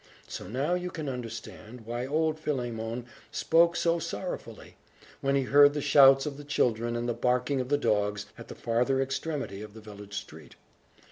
So now you can understand why old Philemon spoke so sorrowfully, when he heard the shouts of the children and the barking of the dogs, at the farther extremity of the village street.